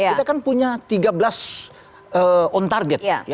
kita kan punya tiga belas on target